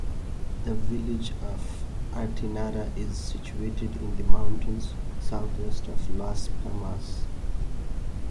The village of Artenara is situated in the mountains, south-west of Las Palmas.